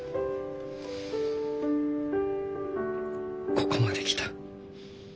ここまで来た。